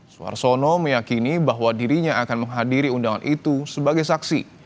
suarsono meyakini bahwa dirinya akan menghadiri undangan itu sebagai saksi